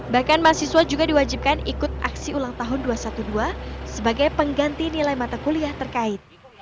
bahkan mahasiswa juga diwajibkan ikut aksi ulang tahun dua ratus dua belas sebagai pengganti nilai mata kuliah terkait